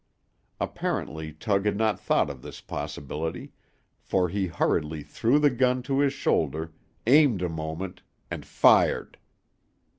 Apparently Tug had not thought of this possibility, for he hurriedly threw the gun to his shoulder, aimed a moment, and fired.